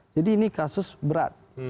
jadi ini kasus berat